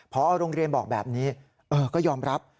พอโรงเรียนบอกแบบนี้ก็ยอมรับ